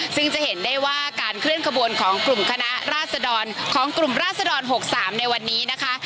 ซึ่งจะเห็นได้ว่าการเคลื่อนขบวนของกลุ่มคณะราษดรของกลุ่มราศดร๖๓ในวันนี้นะคะ